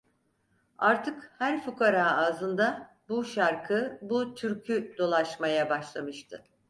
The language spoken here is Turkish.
Artık her fukara ağzında, bu şarkı, bu türkü dolaşmaya başlamıştı.